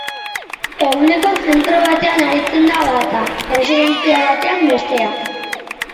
Eguneko zentro batean aritzen da bata, erresidentzia batean bestea.